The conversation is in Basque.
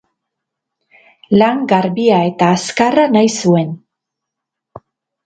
Lan garbia eta azkarra nahi zuen.